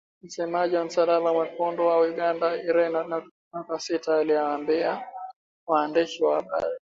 Msemaji wa Msalaba Mwekundu wa Uganda Irene Nakasita aliwaambia waandishi wa habari